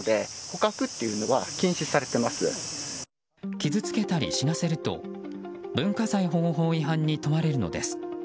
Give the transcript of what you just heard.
傷つけたり死なせると文化財保護法違反に問われるのです。